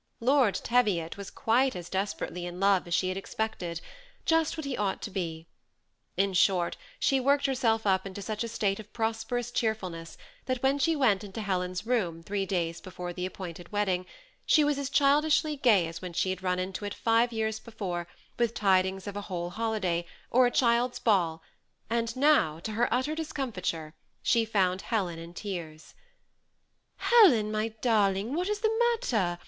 Lord Te viot was quite as desperately in love as she had expected, — just what he ought to be ; in short, she worked her self up into such a state of prosperous cheerfulness, that 22 THE SEMI ATTACHED COUPLE. when she went into Helen's room, three days before the appointed wedding, she was as childishly gay as when she had run into it five years before, with tidings of a whole holiday, or a child's, ball, and now, to her utter discomfiture, she found Helen in tears. " Helen, my darling, what is the matter